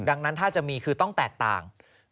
ดังนั้นถ้าจะมีคือต้องแตกต่าง